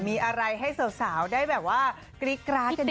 มีอะไรให้สาวได้แบบว่ากริ๊กกร้าเย็นยกไก่